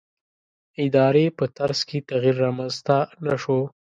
ادارې په طرز کې تغییر رامنځته نه شو.